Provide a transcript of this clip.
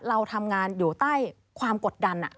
เราทำงานอยู่ใต้ความกดดัน